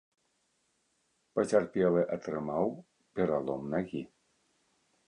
Пацярпелы атрымаў пералом нагі.